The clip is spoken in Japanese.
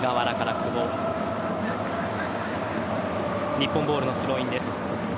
日本ボールのスローインです。